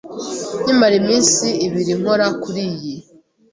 Nkimara iminsi ibiri nkora kuriyi.